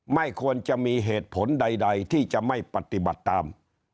ไม่ควรจะมีเหตุผลใดที่จะไม่ปฏิบัติตาม